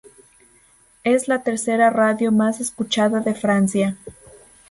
Es la tercera radio más escuchada de Francia.